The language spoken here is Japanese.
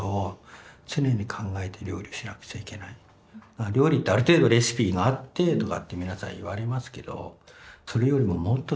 やっぱり料理ってある程度レシピがあってとかって皆さん言われますけどそれよりももっと大切なもんは何かっていうことですよね。